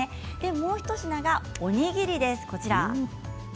もう一品が、おにぎりです。